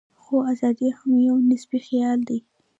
خو ازادي هم یو نسبي خیال دی.